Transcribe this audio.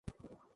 ¿no comería?